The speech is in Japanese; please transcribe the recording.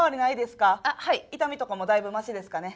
痛みとかもだいぶマシですかね？